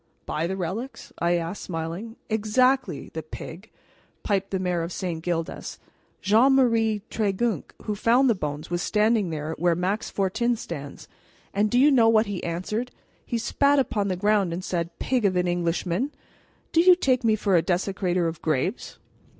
"Buy the relics?" I asked, smiling. "Exactly the pig!" piped the mayor of St. Gildas. "Jean Marie Tregunc, who found the bones, was standing there where Max Fortin stands, and do you know what he answered? He spat upon the ground, and said: 'Pig of an Englishman, do you take me for a desecrator of graves?'"